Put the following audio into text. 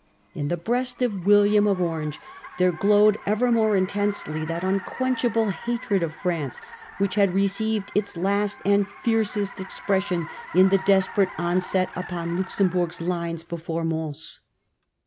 In the breast of William of Orange there glowed ever more intensely that unquench able hatred of France which had received its last and fiercest expression in the desperate onset upon Luxem burg's lines before Mons.